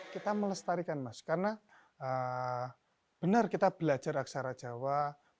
kita melestarikan mas karena benar kita belajar aksara jawa